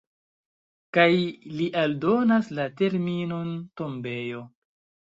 Kaj li aldonas la terminon "tombejo".